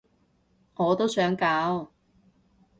我都想搞